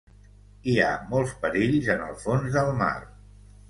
Hi ha molts perills en el fons del mar.